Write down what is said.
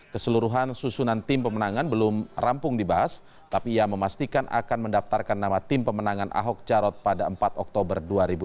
keseluruhan susunan tim pemenangan belum rampung dibahas tapi ia memastikan akan mendaftarkan nama tim pemenangan ahok jarot pada empat oktober dua ribu dua puluh